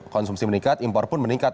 konsumsi meningkat impor pun meningkat